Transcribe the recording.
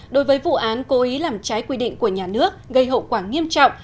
đối với vụ án cố ý làm trái quy định của nhà nước gây hậu quả nghiêm trọng